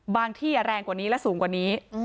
ที่แรงกว่านี้และสูงกว่านี้